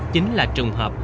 chính là trùng hợp